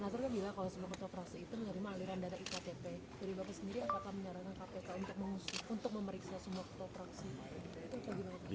dari bapak sendiri apakah menarangan kpk untuk memeriksa semua ketua fraksi